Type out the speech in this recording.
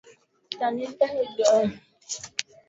ukipondeponde viazi lishe vyako